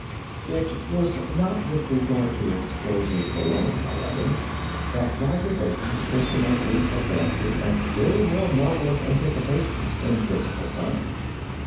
] It was not with regard to explosives alone, however, that Roger Bacon was to make great advances and still more marvelous anticipations in physical science.